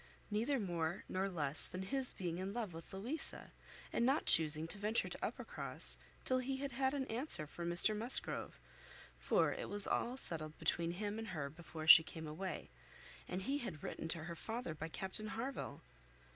Neither more nor less than his being in love with Louisa, and not choosing to venture to Uppercross till he had had an answer from Mr Musgrove; for it was all settled between him and her before she came away, and he had written to her father by Captain Harville.